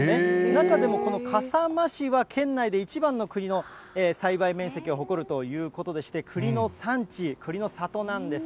中でも、この笠間市は、県内で一番の栗の栽培面積を誇るということでして、栗の産地、栗の里なんです。